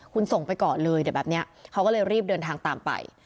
คุณส่งไปก่อนเลยเดี๋ยวแบบนี้เขาก็เลยรีบเดินทางตามไป